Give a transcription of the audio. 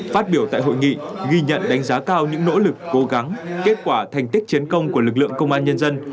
phát biểu tại hội nghị ghi nhận đánh giá cao những nỗ lực cố gắng kết quả thành tích chiến công của lực lượng công an nhân dân